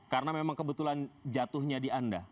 karena memang kebetulan jatuhnya di anda